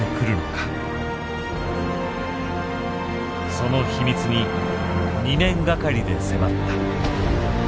その秘密に２年がかりで迫った。